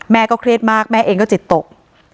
เครียดมากแม่เองก็จิตตก